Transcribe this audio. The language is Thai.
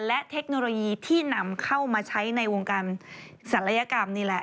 และเทคโนโลยีที่นำเข้ามาใช้ในวงการศัลยกรรมนี่แหละ